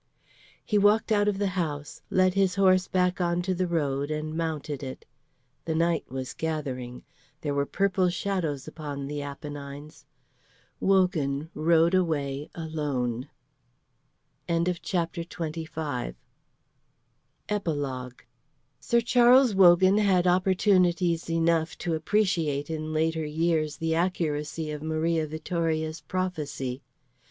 He walked out of the house, led his horse back onto the road and mounted it. The night was gathering; there were purple shadows upon the Apennines. Wogan rode away alone. EPILOGUE Sir Charles Wogan had opportunities enough to appreciate in later years the accuracy of Maria Vittoria's prophecy.